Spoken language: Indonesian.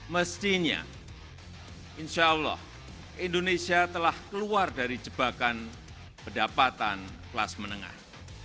mestinya insya allah indonesia telah keluar dari jebakan pendapatan kelas menengah